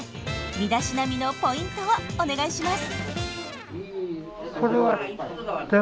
身だしなみのポイントをお願いします。